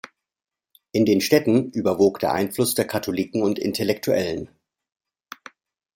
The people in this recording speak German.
In den Städten überwog der Einfluss der Katholiken und Intellektuellen.